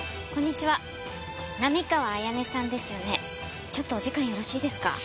ちょっとお時間よろしいですか？